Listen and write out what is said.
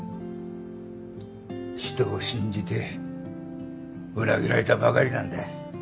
人を信じて裏切られたばかりなんだ。